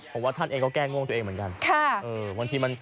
ผมว่าท่านเองก็แก้ง่วงตัวเองเหมือนกัน